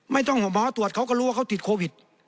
ไม่ต้องหมอตรวจเขาก็รู้ว่าเขาติดโควิด